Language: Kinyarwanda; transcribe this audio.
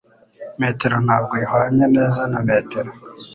Metero ntabwo ihwanye neza na metero.